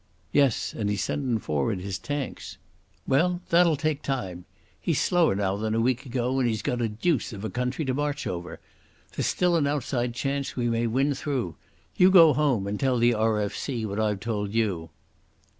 "Yes, and he's sendin' forward his tanks." "Well, that'll take time. He's slower now than a week ago and he's got a deuce of a country to march over. There's still an outside chance we may win through. You go home and tell the R.F.C. what I've told you."